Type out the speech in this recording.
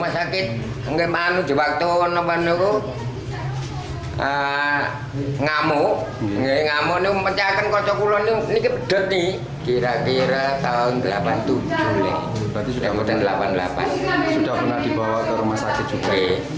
sudah pernah dibawa ke rumah sakit juga